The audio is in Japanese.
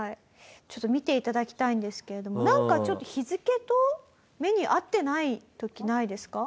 ちょっと見て頂きたいんですけれどもなんかちょっと日付とメニュー合ってない時ないですか？